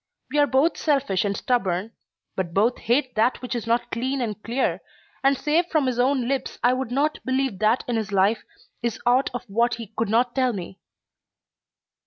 We are both selfish and stubborn, but both hate that which is not clean and clear, and save from his own lips I would not believe that in his life is aught of which he could not tell me.